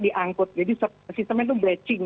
diangkut jadi sistemnya itu breaching